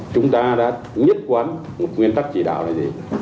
chúng ta đã nhất quán một nguyên tắc chỉ đạo là gì